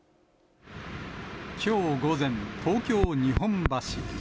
きょう午前、東京・日本橋。